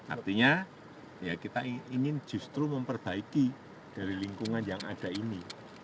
artinya kita ingin justru memperbaiki dari lingkungan yang ada ini